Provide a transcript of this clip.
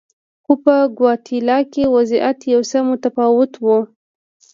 خو په ګواتیلا کې وضعیت یو څه متفاوت و.